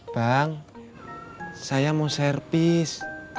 bang saya mau servis